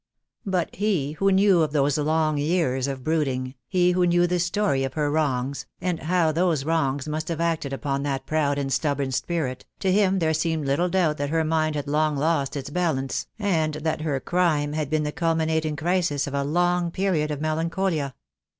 But he who knew of those long years of brooding, he who knew the story of her wrongs, and how those wrongs must have acted upon that proud and stubborn spirit, to him there seemed little doubt that her mind had long lost its balance, and that her crime had been the cul minating crisis of a long period of melancholia.